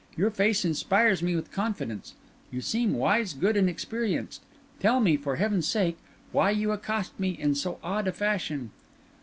Your face inspires me with confidence; you seem wise, good, and experienced; tell me, for heaven's sake, why you accost me in so odd a fashion?"